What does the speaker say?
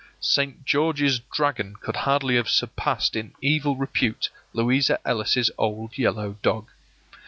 St. George's dragon could hardly have surpassed in evil repute Louisa Ellis's old yellow dog.